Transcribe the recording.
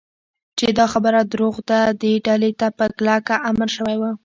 چې دا خبره دروغ ده، دې ډلې ته په کلکه امر شوی و.